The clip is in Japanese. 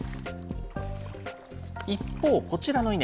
一方、こちらの稲。